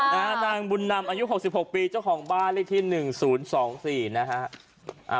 นะคะนางบุณำอายุ๖๖ปีเจ้าของบ้านหรือที่๑๐๒๔นะคะ